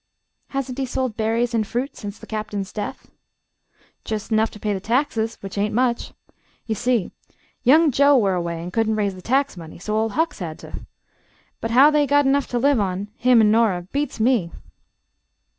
"Hasn't he sold berries and fruit since the Captain's death?" "Jest 'nough to pay the taxes, which ain't much. Ye see, young Joe were away an' couldn't raise the tax money, so Ol' Hucks had to. But how they got enough ter live on, him an' Nora, beats me."